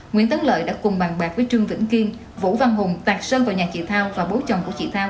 nguyễn tấn lợi đã cùng bàn bạc với trương vĩnh kiên vũ văn hùng tạc sơn vào nhà chị thao và bố chồng của chị thao